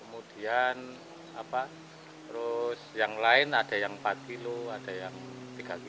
kemudian apa terus yang lain ada yang empat kg ada yang tiga kg